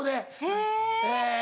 へぇ！